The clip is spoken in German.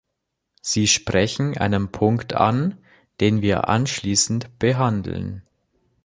Sie sprechen einen Punkt an, den wir anschließend behandeln.